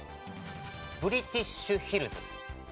ブリティッシュヒルズ。